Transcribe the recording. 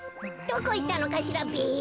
どこいったのかしらべ。